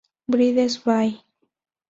Brides Bay.